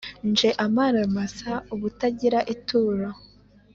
Nje amaramasa ubutagira ituro,